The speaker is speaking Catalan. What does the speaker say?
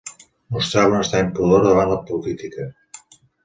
Mostrava un estrany pudor davant la política.